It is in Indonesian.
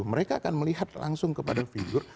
mereka akan melihat langsung kepada figur